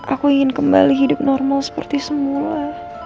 aku ingin kembali hidup normal seperti semula